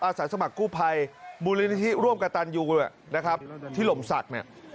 อาศัยสมัครกู้ภัยบูรณิทธิร่วมกับตันอยู่ด้วยนะครับที่ลมสักเนี่ย